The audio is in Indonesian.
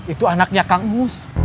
itu anaknya kang mus